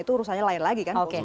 itu urusannya lain lagi kan